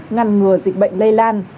ngăn ngừa dịch bệnh lây lan